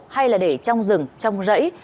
hay là để trong rừng trong rẫy